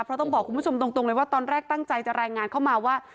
เพราะต้องบอกคุณผู้ชมตรงเลยว่าตอนแรกตั้งใจจะรายงานเข้ามาว่า